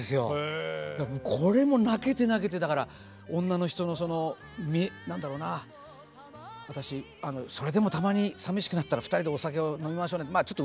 これも泣けて泣けてだから女の人のその私それでもたまに淋しくなったら二人でお酒を飲みましょうねって。